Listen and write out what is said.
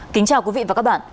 kính chào quý vị và các bạn